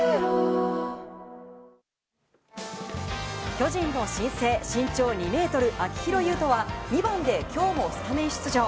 巨人の新星、身長２ｍ秋広優人は２番で今日もスタメン出場。